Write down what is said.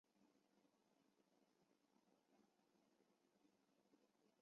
维涅厄勒人口变化图示